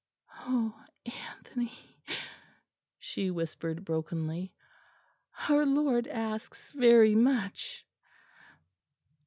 "Oh, Anthony!" she whispered brokenly, "our Lord asks very much."